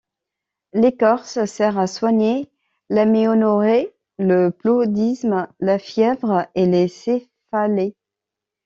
L’écorce sert à soigner l’aménorrhée, le paludisme, la fièvre et les céphalées.